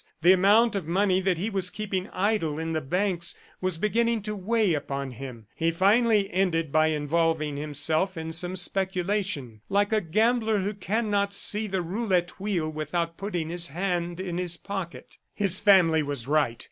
The amount of money that he was keeping idle in the banks was beginning to weigh upon him. He finally ended by involving himself in some speculation; like a gambler who cannot see the roulette wheel without putting his hand in his pocket. His family was right.